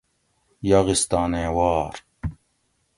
یاغستانیں وار